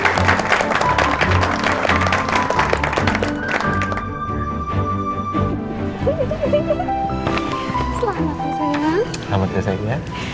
selamat ya sayang ya